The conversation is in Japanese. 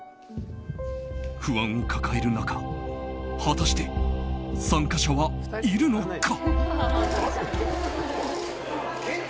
不安を抱える中、果たして参加者はいるのか？